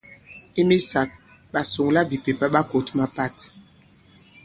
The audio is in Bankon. I misāk, ɓasuŋlabìpèpa ɓa kǒt mapat.